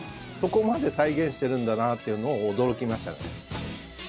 そこまで再現しているんだなというのは驚きましたね。